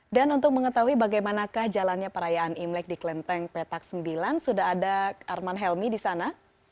dan untuk mengetahui bagaimana kah jalannya perayaan imlek di kelenteng petak sembilan sudah ada arman helmi di sana